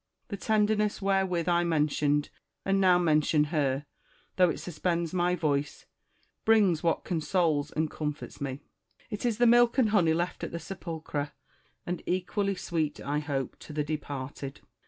The tenderness wherewith I mentioned and now mention her, though it suspends my voice, brings what consoles and com forts me : it is the milk and honey left at the sepulchre, and equally sweet (I hope) to the departed.